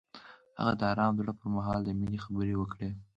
هغه د آرام زړه پر مهال د مینې خبرې وکړې.